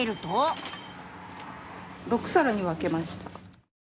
・６さらに分けました。